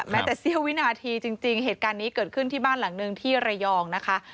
แม้แต่เสี้ยววินาทีจริงเหตุการณ์นี้เกิดขึ้นที่บ้านหลังนึงที่ระยองนะคะ